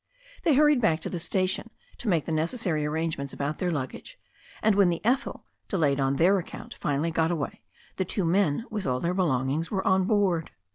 They hurried back to the station to make the necessary arrangements about their luggage, and when the Ethel, de layed on their account, finally got away, the two men, with all their belongings, were on board.